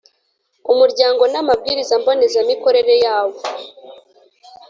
umuryango n amabwiriza mbonezamikorere yawo